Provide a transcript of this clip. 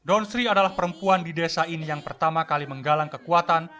don sri adalah perempuan di desa ini yang pertama kali menggalang kekuatan